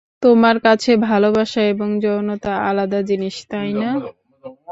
তোমার কাছে ভালোবাসা এবং যৌনতা আলাদা জিনিস, তাই না?